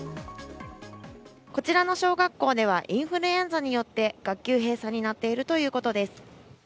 こちらの小学校ではインフルエンザによって学級閉鎖になっているということです。